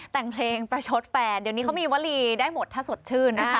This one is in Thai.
แต่งเพลงประชดแฟนเดี๋ยวนี้เขามีวลีได้หมดถ้าสดชื่นนะคะ